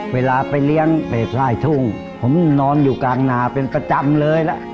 เวลาไปเลี้ยงไปพลายทุ่งผมนอนอยู่กลางนาเป็นประจำเลยล่ะ